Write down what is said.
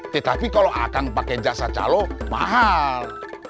tetapi kalau akan pakai jasa calo mahal